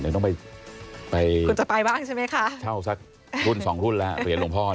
เดี๋ยวต้องไปเช่าสักรุ่น๒รุ่นแล้วเหรียญหลวงพ่อ